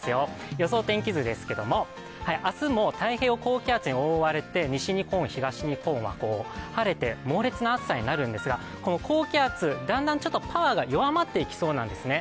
予想天気図ですけれど明日も太平洋高気圧に覆われて西日本、東日本は晴れて、猛烈な暑さになるんですが、高気圧、だんだんパワーが弱まっていきそうなんですね。